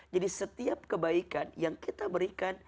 jadi setiap kebaikan yang kita berikan